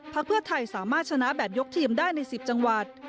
เพื่อไทยสามารถชนะแบบยกทีมได้ใน๑๐จังหวัด